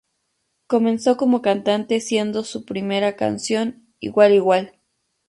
Comenzó como cantante siendo su primera canción "Igual igual".